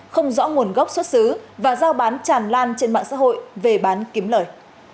không rõ nguồn gốc xuất xứ và giao bán tràn lan trên mạng xã hội về bán kiếm lời